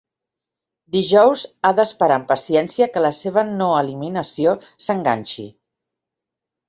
Dijous ha d'esperar amb paciència que la seva no eliminació "s'enganxi".